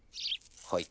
はい。